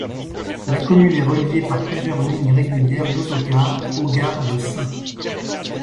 La commune est reliée par plusieurs lignes régulières d'autocar aux gares de St.